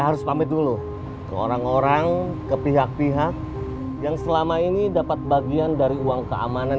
harus pamit dulu ke orang orang ke pihak pihak yang selama ini dapat bagian dari uang keamanan